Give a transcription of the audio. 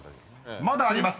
［まだありますね。